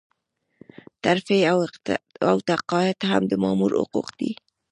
ترفيع او تقاعد هم د مامور حقوق دي.